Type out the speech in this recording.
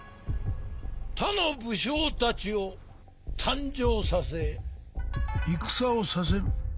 他の武将たちを誕生させ戦をさせる。